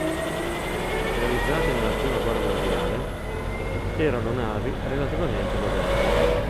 Realizzati nella Prima guerra mondiale erano navi relativamente moderne.